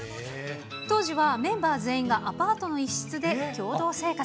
当時はメンバー全員がアパートの一室で共同生活。